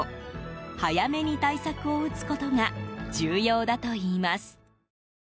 早めに対策を打つことが重要だといいます。